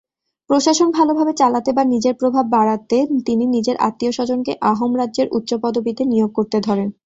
প্রশাসন ভালভাবে চালাতে বা নিজের প্রভাব বাড়াতে তিনি নিজের আত্মীয়-স্বজনকে আহোম রাজ্যের উচ্চ পদবীতে নিয়োগ করতে ধরেন।